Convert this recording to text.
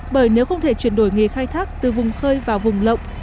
bởi nếu không thể chuyển đổi nghề khai thác từ vùng khơi vào vùng lộng